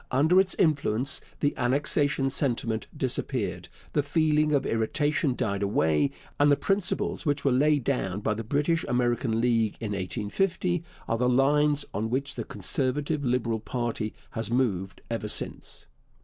Under its influence the annexation sentiment disappeared, the feeling of irritation died away, and the principles which were laid down by the British America League in 1850 are the lines on which the Conservative Liberal party has moved ever since.